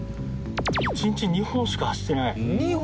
１日２本しか走ってない。